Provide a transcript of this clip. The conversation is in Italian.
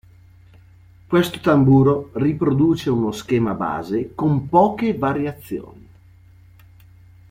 Questo tamburo riproduce uno schema base con poche variazioni.